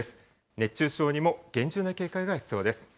熱中症にも厳重な警戒が必要です。